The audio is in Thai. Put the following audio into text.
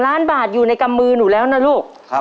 ล้านบาทอยู่ในกำมือหนูแล้วนะลูก